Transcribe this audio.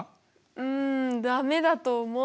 うん駄目だと思う。